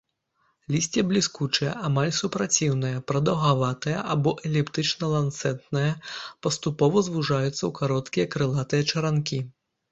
Лісце бліскучае, амаль супраціўнае, прадаўгаватае або эліптычна-ланцэтнае, паступова звужаецца ў кароткія крылатыя чаранкі.